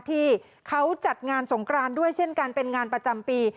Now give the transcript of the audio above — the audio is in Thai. ที่เขาจัดงานสงกรานด้วยเช่นกันเป็นงานประจำปี